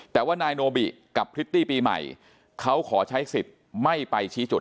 แต่ว่านายโนบิกับพริตตี้ปีใหม่เขาขอใช้สิทธิ์ไม่ไปชี้จุด